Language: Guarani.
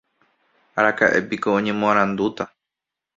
Araka'épiko oñemoarandúta.